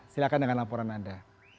silakan dengan laporan anda